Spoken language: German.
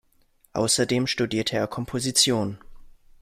Außerdem studierte er Komposition.